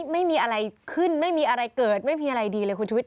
ไม่มีอะไรขึ้นไม่มีอะไรเกิดไม่มีอะไรดีเลยคุณชุวิต